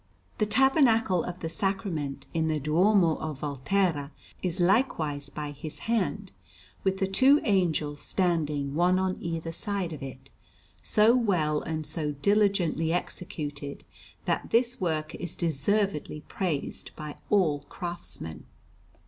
The Tabernacle of the Sacrament in the Duomo of Volterra is likewise by his hand, with the two angels standing one on either side of it, so well and so diligently executed that this work is deservedly praised by all craftsmen.